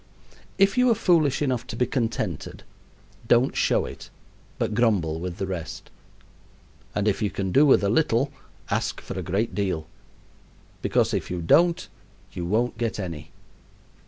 If you are foolish enough to be contented, don't show it, but grumble with the rest; and if you can do with a little, ask for a great deal. Because if you don't you won't get any.